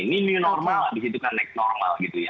ini new normal abis itu kan next normal gitu ya